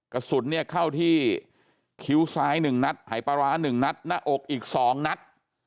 กระสุนเนี่ยเข้าที่คิ้วซ้าย๑นัดหายปลาร้า๑นัดหน้าอกอีก๒นัด